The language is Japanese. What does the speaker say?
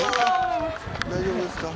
大丈夫ですか？